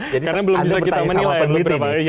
karena belum bisa kita menilai